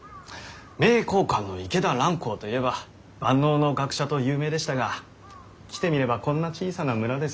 名教館の池田蘭光といえば万能の学者と有名でしたが来てみればこんな小さな村ですよ。